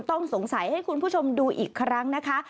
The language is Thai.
ต้องสงสัยให้คุณผู้ชมดูอีกครั้งนะคะ